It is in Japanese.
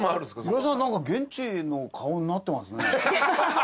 由良さんなんか現地の顔になってますね。